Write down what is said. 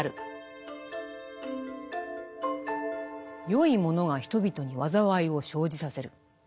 善いものが人々に災いを生じさせる。